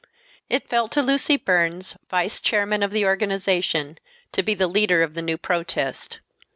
It fell to Lucy Burns, vice chairman of the organization, to be the leader of the new protest.